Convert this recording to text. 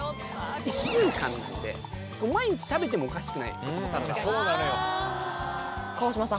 １週間なんで毎日食べてもおかしくないサラダは川島さん